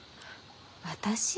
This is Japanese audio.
私？